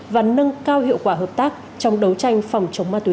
và nâng cao hiệu quả hợp tác trong đấu tranh phòng chống ma túy